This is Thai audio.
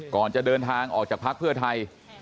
ก่อนจะเดินทางออกจากพักเพื่อไทย